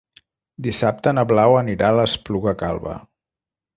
Dissabte na Blau anirà a l'Espluga Calba.